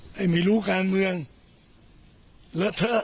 ให้มันรู้การเมืองเลาะเถอะ